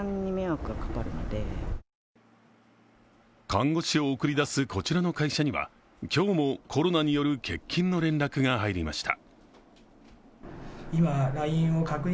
看護師を送り出すこちらの会社には、今日もコロナによる欠勤の連絡が入りました。